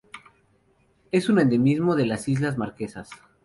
Es un endemismo de las Islas Marquesas.